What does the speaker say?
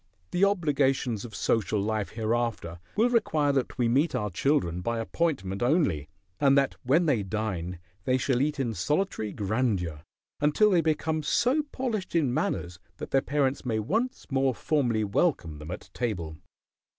The obligations of social life hereafter will require that we meet our children by appointment only, and that when they dine they shall eat in solitary grandeur until they become so polished in manners that their parents may once more formally welcome them at table.